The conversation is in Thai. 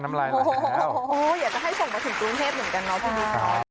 อยากจะให้ส่งมาถึงกรุงเทพเหรอ